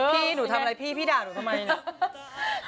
พี่หนูทำอะไรพี่พี่ด่าหนูทำไมนะ